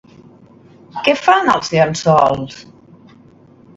Què fan els llençols?